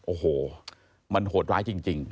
โอ้โหมันโหดร้ายจริง